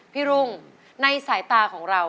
รุ่งในสายตาของเรา